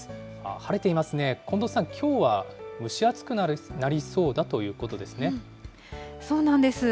晴れていますね、近藤さん、きょうは蒸し暑くなりそうだというこそうなんです。